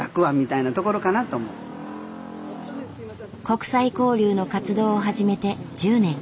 国際交流の活動を始めて１０年。